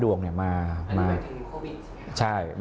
อันนี้หมายถึงโควิดใช่ไหม